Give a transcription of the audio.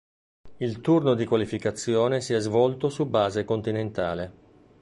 Il turno di qualificazione si è svolto su base continentale.